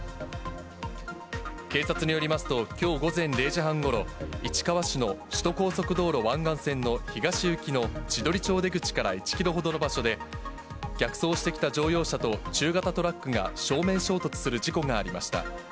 警察によりますと、きょう午前０時半ごろ、市川市の首都高速道路湾岸線の東行きの千鳥町出口から１キロほどの場所で、逆走してきた乗用車と中型トラックが、正面衝突する事故がありました。